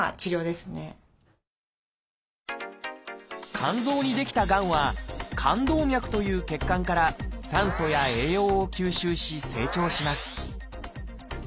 肝臓に出来たがんは「肝動脈」という血管から酸素や栄養を吸収し成長します